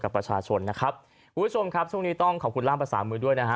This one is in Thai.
ประชาชนนะครับคุณผู้ชมครับช่วงนี้ต้องขอบคุณล่ามภาษามือด้วยนะฮะ